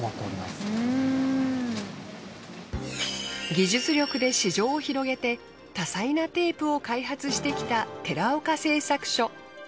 技術力で市場を広げて多彩なテープを開発してきた寺岡製作所。